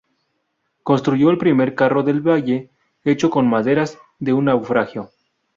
Construyó el primer carro del valle, hecho con maderas de un naufragio.